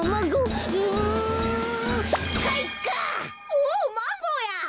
おおマンゴーや。